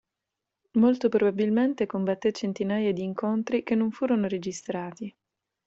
Molto probabilmente combatté centinaia di incontri che non furono registrati.